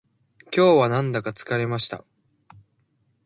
今日はなんだか疲れました